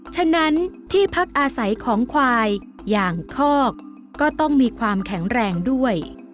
ฉะนั้นที่พักอาศัยของควายอย่างคอกก็ต้องมีความแข็งแรงด้วย